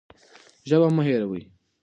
ژبه مه هېروئ.